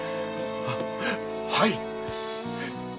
ははい！